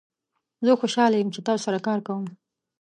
زه خوشحال یم چې تاسو سره کار کوم.